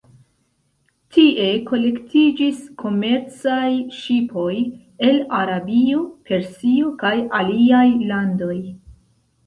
Tie kolektiĝis komercaj ŝipoj el Arabio, Persio kaj aliaj landoj.